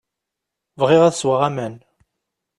Bɣiɣ ad sweɣ aman.